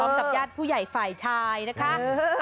พร้อมกับญาติผู้ใหญ่ฝ่ายชายนะคะเออ